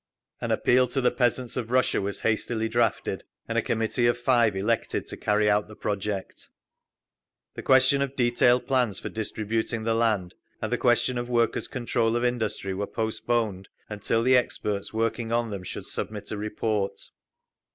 An Appeal to the Peasants of Russia was hastily drafted, and a committee of five elected to carry out the project. The question of detailed plans for distributing the land, and the question of Workers' Control of Industry, were postponed until the experts working on them should submit a report.